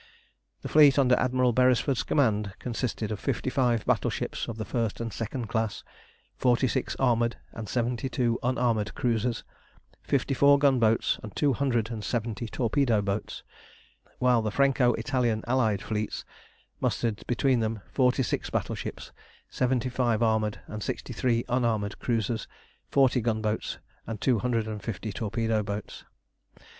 The fleet under Admiral Beresford's command consisted of fifty five battleships of the first and second class, forty six armoured and seventy two unarmoured cruisers, fifty four gunboats, and two hundred and seventy torpedo boats; while the Franco Italian Allied fleets mustered between them forty six battleships, seventy five armoured and sixty three unarmoured cruisers, forty gunboats, and two hundred and fifty torpedo boats.